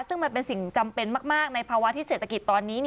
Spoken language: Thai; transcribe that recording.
ซึ่งมันเป็นสิ่งจำเป็นมากในภาวะที่เศรษฐกิจตอนนี้